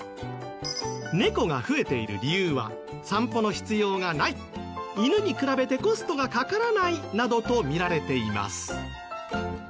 猫が増えている理由は散歩の必要がない犬に比べてコストがかからないなどとみられています。